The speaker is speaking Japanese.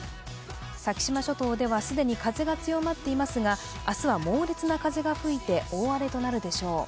先島諸島では既に風が強まっていますが明日は猛烈な風が吹いて大荒れとなるでしょう。